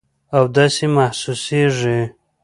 او داسې محسوسیږي